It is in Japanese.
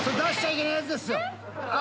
あ！